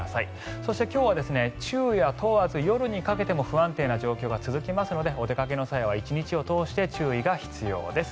そして、今日は昼夜問わず夜にかけても不安定な状況が続きますのでお出かけの際は１日を通して注意が必要です。